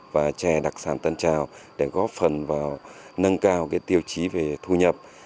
và chè đặc sản tân trào để góp phần vào nâng cao tiêu chí về thu nhập